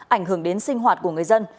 ảnh hưởng đến sinh hoạt của người dân